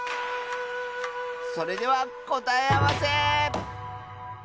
それではこたえあわせ！